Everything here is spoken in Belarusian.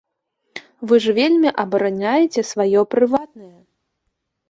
Вы ж вельмі абараняеце сваё прыватнае.